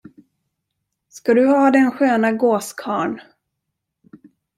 Ska du ha den sköna gåskarln?